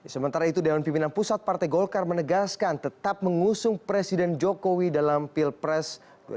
sementara itu dewan pimpinan pusat partai golkar menegaskan tetap mengusung presiden jokowi dalam pilpres dua ribu sembilan belas